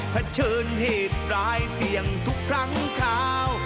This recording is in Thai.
เผชิญเหตุปลายเสี่ยงทุกครั้งคราว